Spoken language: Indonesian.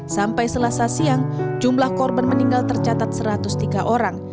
sampai selasa siang jumlah korban meninggal tercatat satu ratus tiga orang